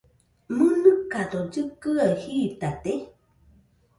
¿Mɨnɨkado llɨkɨaɨ jitate?